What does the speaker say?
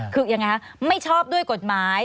คือยังไงคะไม่ชอบด้วยกฎหมาย